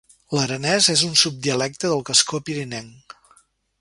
L'aranès és un subdialecte del gascó pirinenc.